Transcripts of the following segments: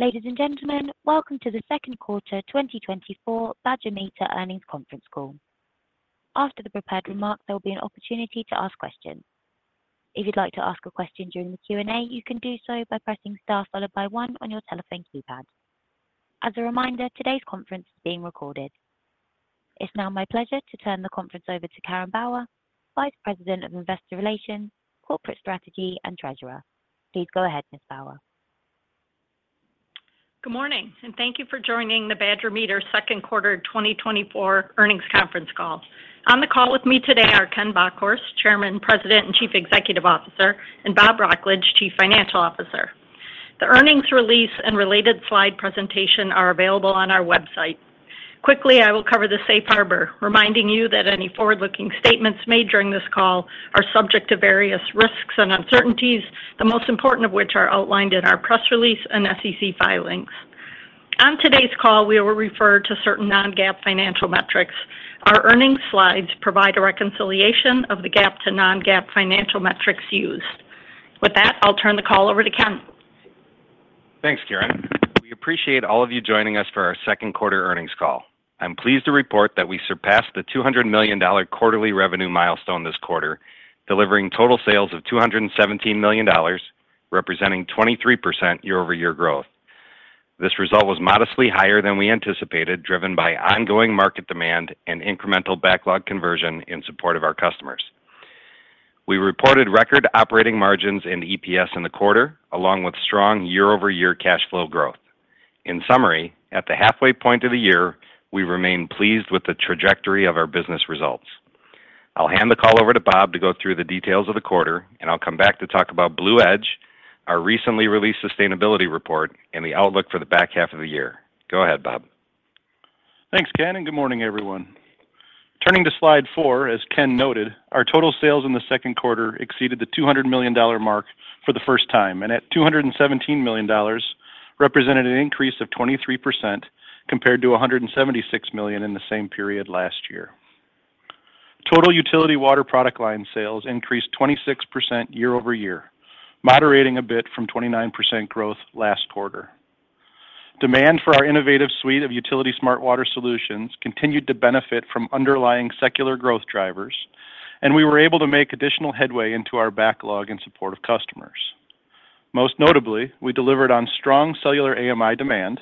Ladies and gentlemen, welcome to the second quarter 2024 Badger Meter Earnings Conference Call. After the prepared remarks, there will be an opportunity to ask questions. If you'd like to ask a question during the Q&A, you can do so by pressing star followed by one on your telephone keypad. As a reminder, today's conference is being recorded. It's now my pleasure to turn the conference over to Karen Bauer, Vice President of Investor Relations, Corporate Strategy, and Treasurer. Please go ahead, Ms. Bauer. Good morning, and thank you for joining the Badger Meter second quarter 2024 earnings conference call. On the call with me today are Ken Bockhorst, Chairman, President, and Chief Executive Officer, and Bob Wrocklage, Chief Financial Officer. The earnings release and related slide presentation are available on our website. Quickly, I will cover the safe harbor, reminding you that any forward-looking statements made during this call are subject to various risks and uncertainties, the most important of which are outlined in our press release and SEC filings. On today's call, we will refer to certain non-GAAP financial metrics. Our earnings slides provide a reconciliation of the GAAP to non-GAAP financial metrics used. With that, I'll turn the call over to Ken. Thanks, Karen. We appreciate all of you joining us for our second quarter earnings call. I'm pleased to report that we surpassed the $200 million quarterly revenue milestone this quarter, delivering total sales of $217 million, representing 23% year-over-year growth. This result was modestly higher than we anticipated, driven by ongoing market demand and incremental backlog conversion in support of our customers. We reported record operating margins and EPS in the quarter, along with strong year-over-year cash flow growth. In summary, at the halfway point of the year, we remain pleased with the trajectory of our business results. I'll hand the call over to Bob to go through the details of the quarter, and I'll come back to talk about BlueEdge, our recently released sustainability report, and the outlook for the back half of the year. Go ahead, Bob. Thanks, Ken, and good morning, everyone. Turning to slide four, as Ken noted, our total sales in the second quarter exceeded the $200 million mark for the first time, and at $217 million, represented an increase of 23% compared to $176 million in the same period last year. Total utility water product line sales increased 26% year-over-year, moderating a bit from 29% growth last quarter. Demand for our innovative suite of utility smart water solutions continued to benefit from underlying secular growth drivers, and we were able to make additional headway into our backlog in support of customers. Most notably, we delivered on strong cellular AMI demand,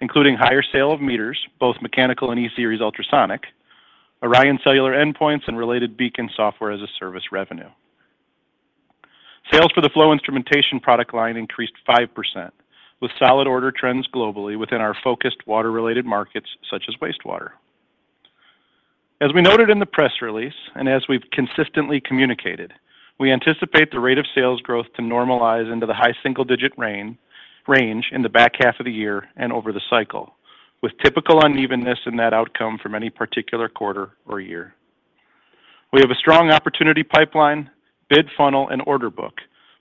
including higher sale of meters, both mechanical and E-Series ultrasonic, Orion cellular endpoints, and related Beacon software as a service revenue. Sales for the flow instrumentation product line increased 5%, with solid order trends globally within our focused water-related markets such as wastewater. As we noted in the press release, and as we've consistently communicated, we anticipate the rate of sales growth to normalize into the high single-digit range in the back half of the year and over the cycle, with typical unevenness in that outcome for any particular quarter or year. We have a strong opportunity pipeline, bid funnel, and order book,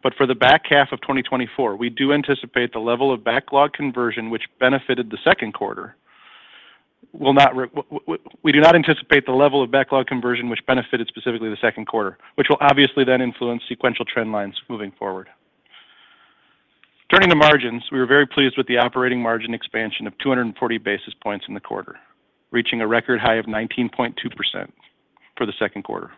but for the back half of 2024, we do anticipate the level of backlog conversion which benefited the second quarter. We do not anticipate the level of backlog conversion which benefited specifically the second quarter, which will obviously then influence sequential trend lines moving forward. Turning to margins, we were very pleased with the operating margin expansion of 240 basis points in the quarter, reaching a record high of 19.2% for the second quarter.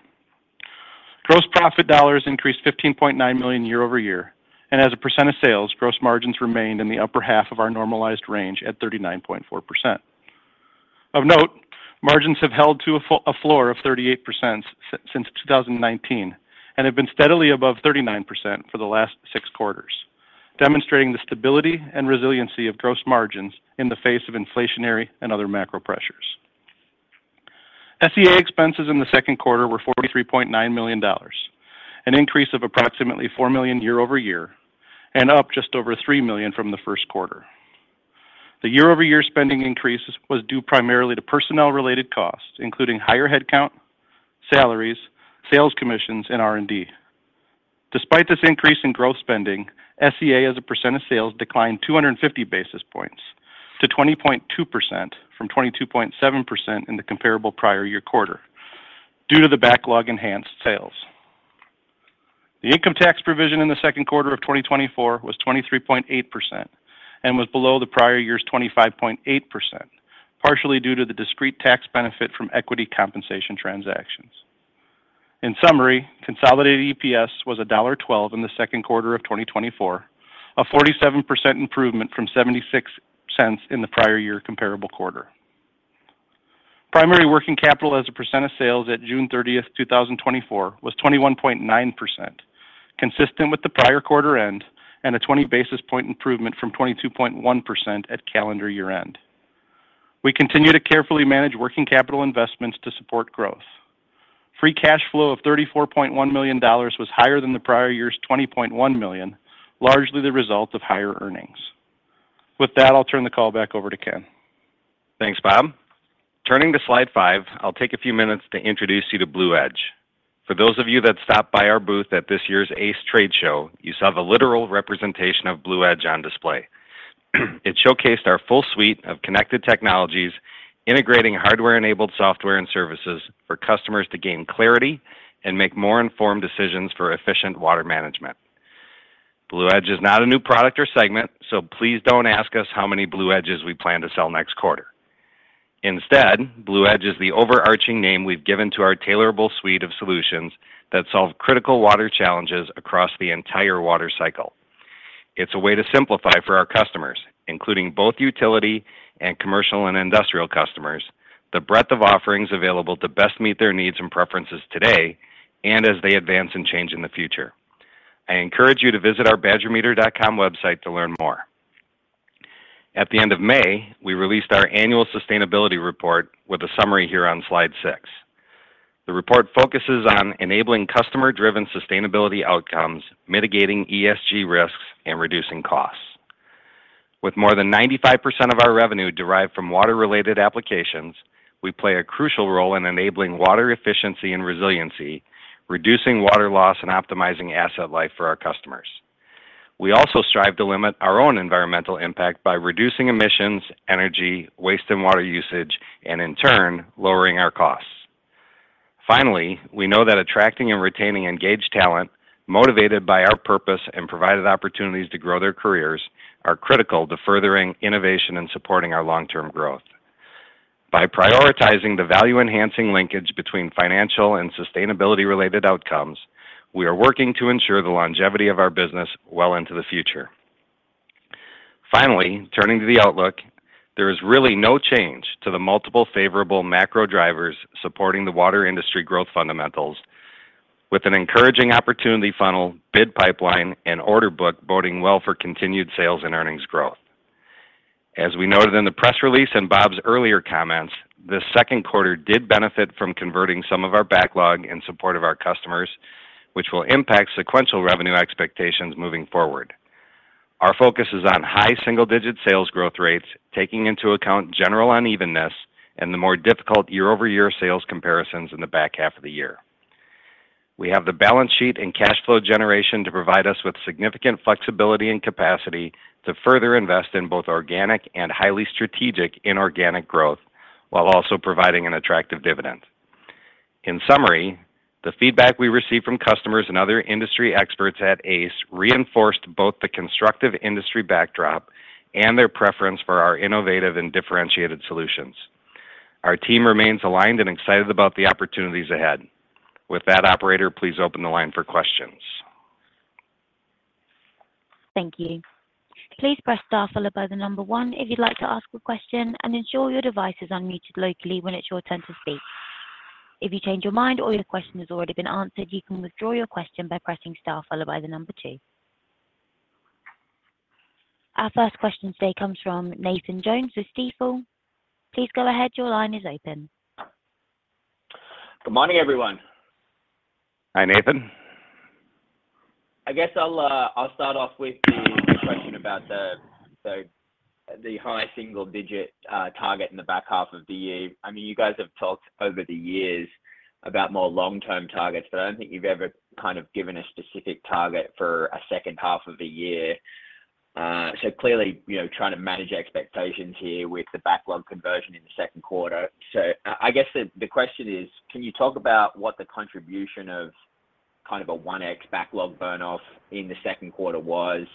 Gross profit dollars increased $15.9 million year-over-year, and as a percent of sales, gross margins remained in the upper half of our normalized range at 39.4%. Of note, margins have held to a floor of 38% since 2019 and have been steadily above 39% for the last six quarters, demonstrating the stability and resiliency of gross margins in the face of inflationary and other macro pressures. SEA expenses in the second quarter were $43.9 million, an increase of approximately $4 million year-over-year and up just over $3 million from the first quarter. The year-over-year spending increase was due primarily to personnel-related costs, including higher headcount, salaries, sales commissions, and R&D. Despite this increase in gross spending, SEA as a percent of sales declined 250 basis points to 20.2% from 22.7% in the comparable prior year quarter due to the backlog-enhanced sales. The income tax provision in the second quarter of 2024 was 23.8% and was below the prior year's 25.8%, partially due to the discrete tax benefit from equity compensation transactions. In summary, consolidated EPS was $1.12 in the second quarter of 2024, a 47% improvement from $0.76 in the prior year comparable quarter. Primary working capital as a percent of sales at June 30, 2024, was 21.9%, consistent with the prior quarter end and a 20 basis point improvement from 22.1% at calendar year end. We continue to carefully manage working capital investments to support growth. Free cash flow of $34.1 million was higher than the prior year's $20.1 million, largely the result of higher earnings. With that, I'll turn the call back over to Ken. Thanks, Bob. Turning to slide 5, I'll take a few minutes to introduce you to Blue Edge. For those of you that stopped by our booth at this year's ACE Trade Show, you saw the literal representation of Blue Edge on display. It showcased our full suite of connected technologies, integrating hardware-enabled software and services for customers to gain clarity and make more informed decisions for efficient water management. Blue Edge is not a new product or segment, so please don't ask us how many Blue Edges we plan to sell next quarter. Instead, Blue Edge is the overarching name we've given to our tailorable suite of solutions that solve critical water challenges across the entire water cycle. It's a way to simplify for our customers, including both utility and commercial and industrial customers, the breadth of offerings available to best meet their needs and preferences today and as they advance and change in the future. I encourage you to visit our badgermeter.com website to learn more. At the end of May, we released our annual sustainability report with a summary here on slide six. The report focuses on enabling customer-driven sustainability outcomes, mitigating ESG risks, and reducing costs. With more than 95% of our revenue derived from water-related applications, we play a crucial role in enabling water efficiency and resiliency, reducing water loss and optimizing asset life for our customers. We also strive to limit our own environmental impact by reducing emissions, energy, waste, and water usage, and in turn, lowering our costs. Finally, we know that attracting and retaining engaged talent motivated by our purpose and provided opportunities to grow their careers are critical to furthering innovation and supporting our long-term growth. By prioritizing the value-enhancing linkage between financial and sustainability-related outcomes, we are working to ensure the longevity of our business well into the future. Finally, turning to the outlook, there is really no change to the multiple favorable macro drivers supporting the water industry growth fundamentals, with an encouraging opportunity funnel, bid pipeline, and order book boding well for continued sales and earnings growth. As we noted in the press release and Bob's earlier comments, the second quarter did benefit from converting some of our backlog in support of our customers, which will impact sequential revenue expectations moving forward. Our focus is on high single-digit sales growth rates, taking into account general unevenness and the more difficult year-over-year sales comparisons in the back half of the year. We have the balance sheet and cash flow generation to provide us with significant flexibility and capacity to further invest in both organic and highly strategic inorganic growth, while also providing an attractive dividend. In summary, the feedback we received from customers and other industry experts at ACE reinforced both the constructive industry backdrop and their preference for our innovative and differentiated solutions. Our team remains aligned and excited about the opportunities ahead. With that, Operator, please open the line for questions. Thank you. Please press star followed by the number one if you'd like to ask a question, and ensure your device is unmuted locally when it's your turn to speak. If you change your mind or your question has already been answered, you can withdraw your question by pressing star followed by the number two. Our first question today comes from Nathan Jones with Stifel. Please go ahead. Your line is open. Good morning, everyone. Hi, Nathan. I guess I'll start off with the question about the high single-digit target in the back half of the year. I mean, you guys have talked over the years about more long-term targets, but I don't think you've ever kind of given a specific target for a second half of the year. So clearly, trying to manage expectations here with the backlog conversion in the second quarter. So I guess the question is, can you talk about what the contribution of kind of a 1x backlog burn-off in the second quarter was?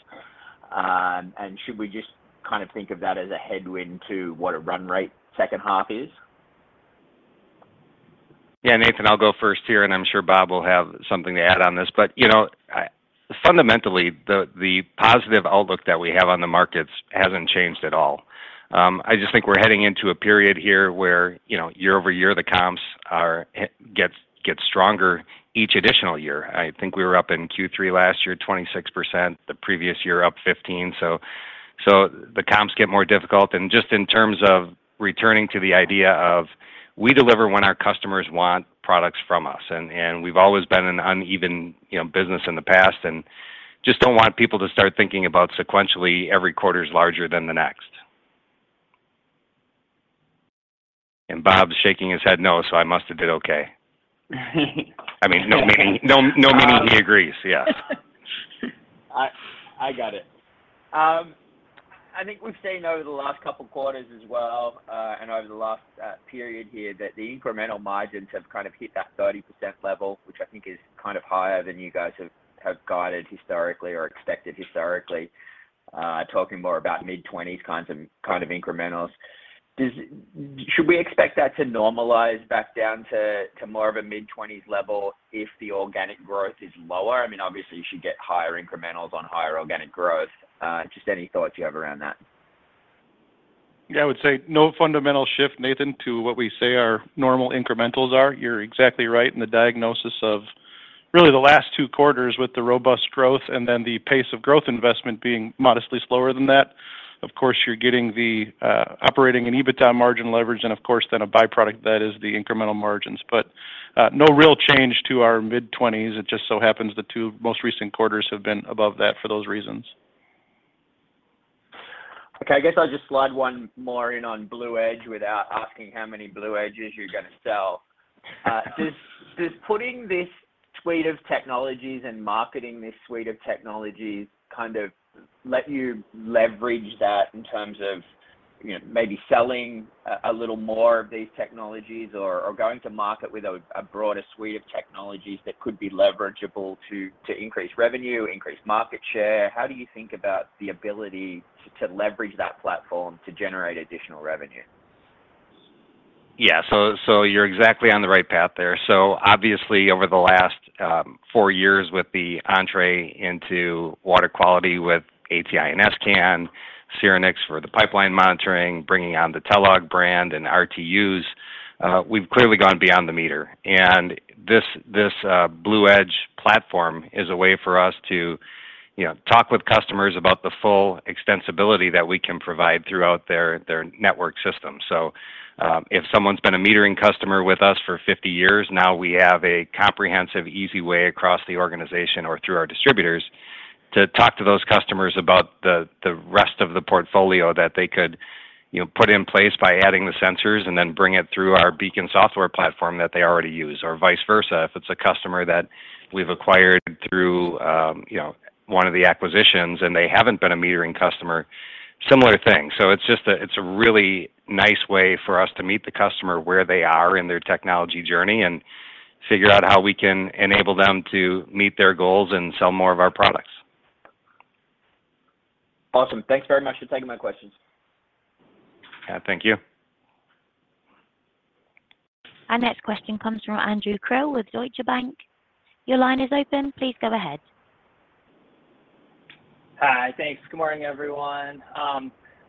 And should we just kind of think of that as a headwind to what a run rate second half is? Yeah, Nathan, I'll go first here, and I'm sure Bob will have something to add on this. But fundamentally, the positive outlook that we have on the markets hasn't changed at all. I just think we're heading into a period here where year-over-year the comps get stronger each additional year. I think we were up in Q3 last year 26%, the previous year up 15%. So the comps get more difficult. And just in terms of returning to the idea of we deliver when our customers want products from us, and we've always been an uneven business in the past and just don't want people to start thinking about sequentially every quarter is larger than the next. And Bob's shaking his head no, so I must have did okay. I mean, no meaning he agrees, yes. I got it. I think we've seen over the last couple of quarters as well and over the last period here that the incremental margins have kind of hit that 30% level, which I think is kind of higher than you guys have guided historically or expected historically, talking more about mid-20s kinds of incrementals. Should we expect that to normalize back down to more of a mid-20s level if the organic growth is lower? I mean, obviously, you should get higher incrementals on higher organic growth. Just any thoughts you have around that? Yeah, I would say no fundamental shift, Nathan, to what we say our normal incrementals are. You're exactly right in the diagnosis of really the last two quarters with the robust growth and then the pace of growth investment being modestly slower than that. Of course, you're getting the operating and EBITDA margin leverage, and of course, then a byproduct that is the incremental margins. But no real change to our mid-20s. It just so happens the two most recent quarters have been above that for those reasons. Okay, I guess I'll just slide one more in on Blue Edge without asking how many Blue Edges you're going to sell. Does putting this suite of technologies and marketing this suite of technologies kind of let you leverage that in terms of maybe selling a little more of these technologies or going to market with a broader suite of technologies that could be leverageable to increase revenue, increase market share? How do you think about the ability to leverage that platform to generate additional revenue? Yeah, so you're exactly on the right path there. So obviously, over the last four years with the entry into water quality with ATI and s::can, Syrinix for the pipeline monitoring, bringing on the Telog brand and RTUs, we've clearly gone beyond the meter. And this Blue Edge platform is a way for us to talk with customers about the full extensibility that we can provide throughout their network system. So if someone's been a metering customer with us for 50 years, now we have a comprehensive, easy way across the organization or through our distributors to talk to those customers about the rest of the portfolio that they could put in place by adding the sensors and then bring it through our BEACON software platform that they already use, or vice versa. If it's a customer that we've acquired through one of the acquisitions and they haven't been a metering customer, similar thing. It's a really nice way for us to meet the customer where they are in their technology journey and figure out how we can enable them to meet their goals and sell more of our products. Awesome. Thanks very much for taking my questions. Yeah, thank you. Our next question comes from Andrew Krill with Deutsche Bank. Your line is open. Please go ahead. Hi, thanks. Good morning, everyone.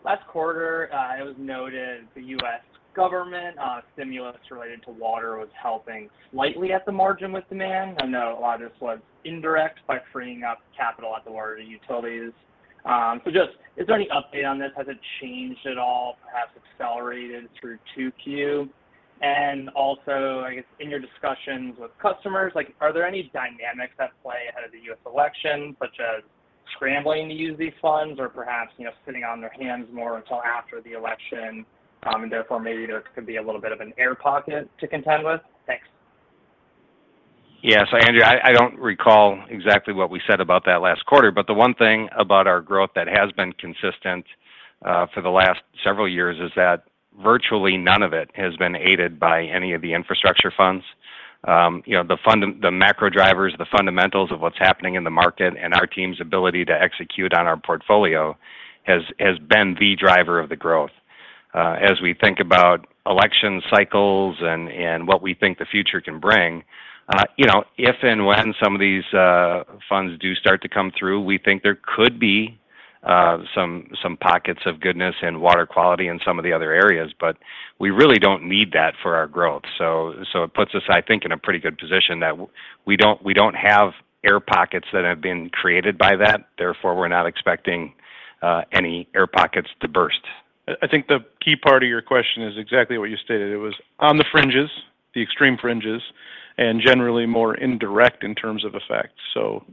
Last quarter, it was noted the U.S. government stimulus related to water was helping slightly at the margin with demand. I know a lot of this was indirect by freeing up capital at the water utilities. So just is there any update on this? Has it changed at all, perhaps accelerated through 2Q? And also, I guess in your discussions with customers, are there any dynamics at play ahead of the U.S. election, such as scrambling to use these funds or perhaps sitting on their hands more until after the election and therefore maybe there could be a little bit of an air pocket to contend with? Thanks. Yeah, so Andrew, I don't recall exactly what we said about that last quarter, but the one thing about our growth that has been consistent for the last several years is that virtually none of it has been aided by any of the infrastructure funds. The macro drivers, the fundamentals of what's happening in the market and our team's ability to execute on our portfolio has been the driver of the growth. As we think about election cycles and what we think the future can bring, if and when some of these funds do start to come through, we think there could be some pockets of goodness in water quality and some of the other areas, but we really don't need that for our growth. So it puts us, I think, in a pretty good position that we don't have air pockets that have been created by that. Therefore, we're not expecting any air pockets to burst. I think the key part of your question is exactly what you stated. It was on the fringes, the extreme fringes, and generally more indirect in terms of effects. So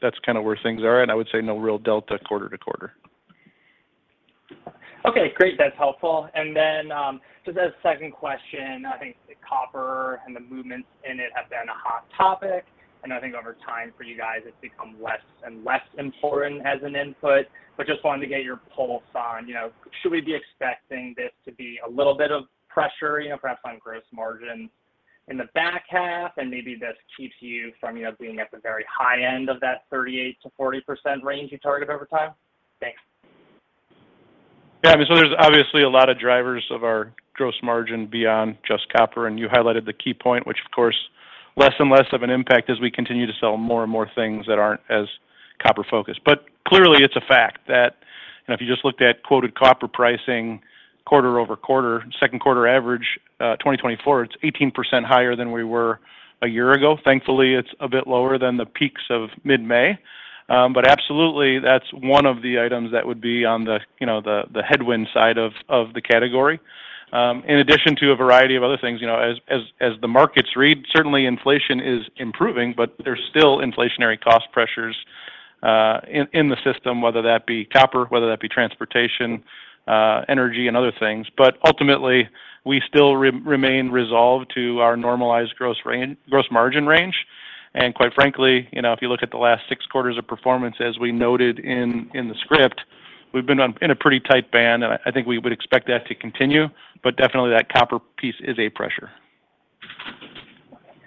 that's kind of where things are, and I would say no real delta quarter to quarter. Okay, great. That's helpful. And then just as a second question, I think the copper and the movements in it have been a hot topic. And I think over time for you guys, it's become less and less important as an input. But just wanted to get your pulse on. Should we be expecting this to be a little bit of pressure, perhaps on gross margins in the back half, and maybe this keeps you from being at the very high end of that 38%-40% range you target over time? Thanks. Yeah, I mean, so there's obviously a lot of drivers of our gross margin beyond just copper. And you highlighted the key point, which, of course, less and less of an impact as we continue to sell more and more things that aren't as copper-focused. But clearly, it's a fact that if you just looked at quoted copper pricing quarter-over-quarter, second quarter average 2024, it's 18% higher than we were a year ago. Thankfully, it's a bit lower than the peaks of mid-May. But absolutely, that's one of the items that would be on the headwind side of the category. In addition to a variety of other things, as the markets read, certainly inflation is improving, but there's still inflationary cost pressures in the system, whether that be copper, whether that be transportation, energy, and other things. But ultimately, we still remain resolved to our normalized gross margin range. And quite frankly, if you look at the last six quarters of performance, as we noted in the script, we've been in a pretty tight band, and I think we would expect that to continue, but definitely that copper piece is a pressure.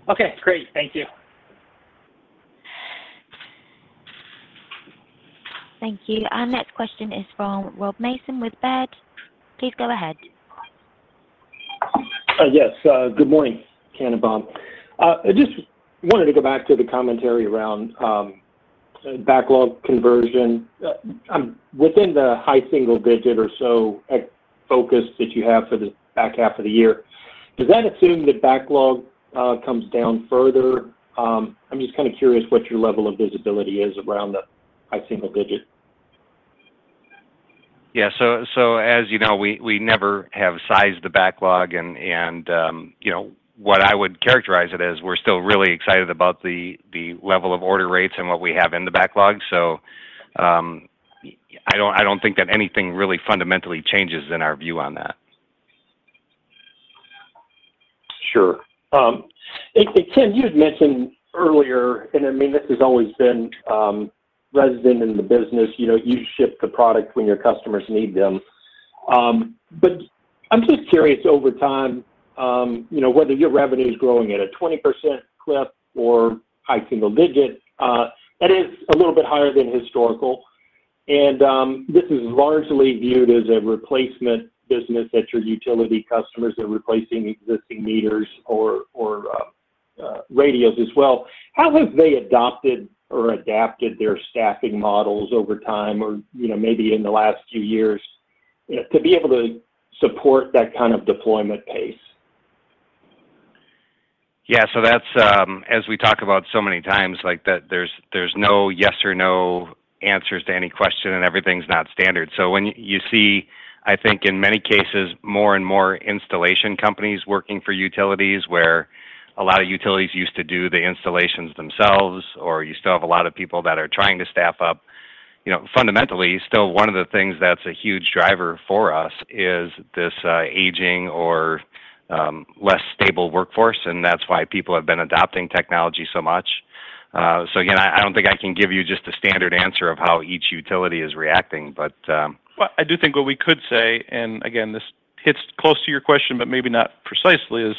Okay, great. Thank you. Thank you. Our next question is from Rob Mason with Baird. Please go ahead. Yes, good morning, Ken and Bob. I just wanted to go back to the commentary around backlog conversion. Within the high single digit or so focus that you have for the back half of the year, does that assume that backlog comes down further? I'm just kind of curious what your level of visibility is around the high single digit. Yeah, so as you know, we never have sized the backlog, and what I would characterize it as, we're still really excited about the level of order rates and what we have in the backlog. So I don't think that anything really fundamentally changes in our view on that. Sure. And Ken, you had mentioned earlier, and I mean, this has always been resident in the business. You ship the product when your customers need them. But I'm just curious over time whether your revenue is growing at a 20% clip or high single digit. That is a little bit higher than historical. And this is largely viewed as a replacement business that your utility customers are replacing existing meters or radios as well. How have they adopted or adapted their staffing models over time or maybe in the last few years to be able to support that kind of deployment pace? Yeah, so that's, as we talk about so many times, that there's no yes or no answers to any question and everything's not standard. So when you see, I think in many cases, more and more installation companies working for utilities where a lot of utilities used to do the installations themselves, or you still have a lot of people that are trying to staff up. Fundamentally, still one of the things that's a huge driver for us is this aging or less stable workforce, and that's why people have been adopting technology so much. So again, I don't think I can give you just a standard answer of how each utility is reacting, but. Well, I do think what we could say, and again, this hits close to your question, but maybe not precisely, is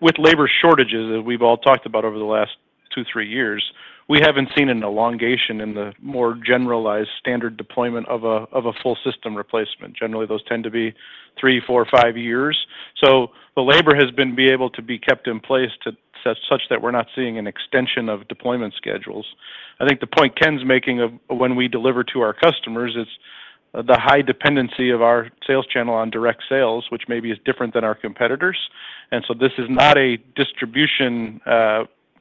with labor shortages that we've all talked about over the last 2, 3 years, we haven't seen an elongation in the more generalized standard deployment of a full system replacement. Generally, those tend to be 3, 4, 5 years. So the labor has been able to be kept in place such that we're not seeing an extension of deployment schedules. I think the point Ken's making of when we deliver to our customers is the high dependency of our sales channel on direct sales, which maybe is different than our competitors. And so this is not a distribution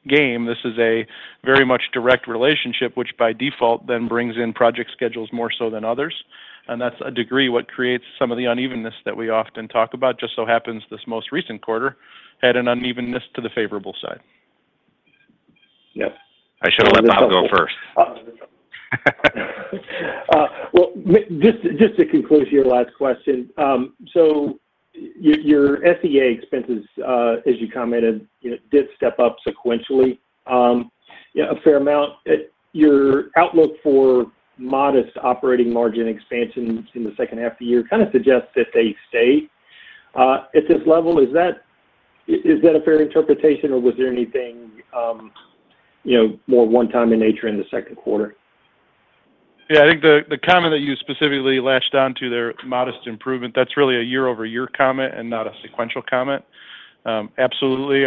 game. This is a very much direct relationship, which by default then brings in project schedules more so than others. That's a degree what creates some of the unevenness that we often talk about. Just so happens this most recent quarter had an unevenness to the favorable side. Yep. I should have let Bob go first. Well, just to conclude your last question, so your SEA expenses, as you commented, did step up sequentially a fair amount. Your outlook for modest operating margin expansion in the second half of the year kind of suggests that they stay at this level. Is that a fair interpretation, or was there anything more one-time in nature in the second quarter? Yeah, I think the comment that you specifically latched on to, their modest improvement, that's really a year-over-year comment and not a sequential comment. Absolutely.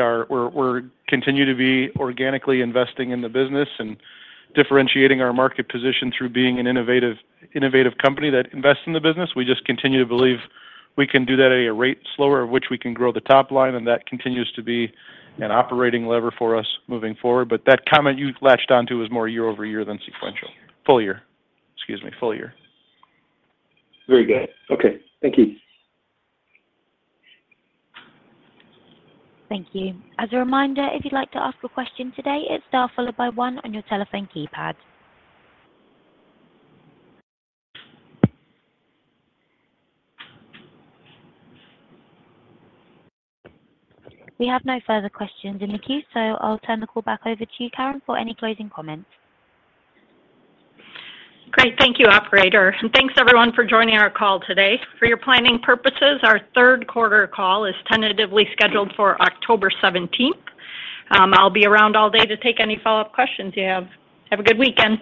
We continue to be organically investing in the business and differentiating our market position through being an innovative company that invests in the business. We just continue to believe we can do that at a rate slower, at which we can grow the top line, and that continues to be an operating lever for us moving forward. But that comment you latched on to is more year-over-year than sequential. Full year. Excuse me, full year. Very good. Okay, thank you. Thank you. As a reminder, if you'd like to ask a question today, it's star followed by one on your telephone keypad. We have no further questions in the queue, so I'll turn the call back over to you, Karen, for any closing comments. Great. Thank you, Operator. Thanks, everyone, for joining our call today. For your planning purposes, our third quarter call is tentatively scheduled for October 17th. I'll be around all day to take any follow-up questions you have. Have a good weekend.